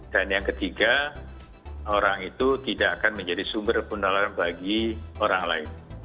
dan yang ketiga orang itu tidak akan menjadi sumber pundalaran bagi orang lain